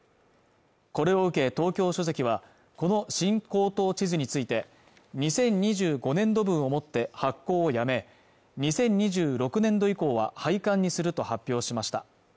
これを受け東京書籍はこの「新高等地図」について２０２５年度分を持って発行をやめ２０２６年度以降は廃刊にすると発表しました